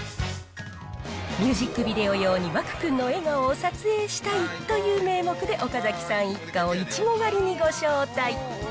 ミュージックビデオ用に湧くんの笑顔を撮影したいという名目で、岡崎さん一家をいちご狩りにご招待。